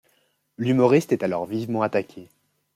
L'humoriste est alors vivement attaqué.